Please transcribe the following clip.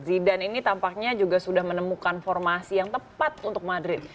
zidan ini tampaknya juga sudah menemukan formasi yang tepat untuk madrid